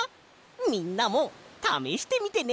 みんなもためしてみてね！